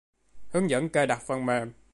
Hướng dẫn cài đặt phần mềm